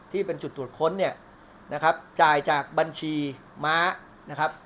ที่เป็นจุดตรวจค้นเนี่ยนะครับจ่ายจากบัญชีม้านะครับ